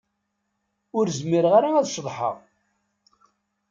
Ur zmireɣ ara ad ceḍḥeɣ.